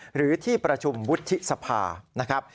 หรือที่ประชุมวุฒิสภานะครับ